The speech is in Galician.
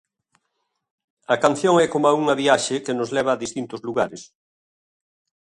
A canción é coma unha viaxe que nos leva a distintos lugares.